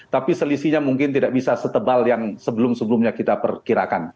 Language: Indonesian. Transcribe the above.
tapi selisihnya mungkin tidak bisa setebal yang sebelum sebelumnya kita perkirakan